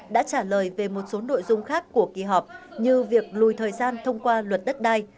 đã trả lời về một số nội dung khác của kỳ họp như việc lùi thời gian thông qua luật đất đai